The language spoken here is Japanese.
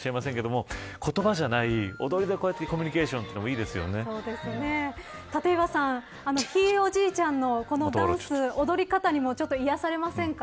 言葉じゃない、踊りでコミュニケーションというのも立岩さんひいおじいちゃんのこのダンス踊り方にも癒されませんか。